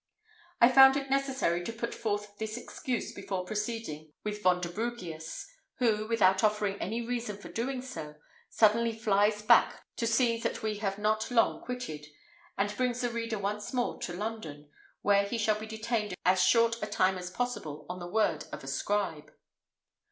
I found it necessary to put forth this excuse before proceeding with Vonderbrugius, who, without offering any reason for so doing, suddenly flies back to scenes that we have not long quitted, and brings the reader once more to London, where he shall be detained as short a time as possible, on the word of a scribe.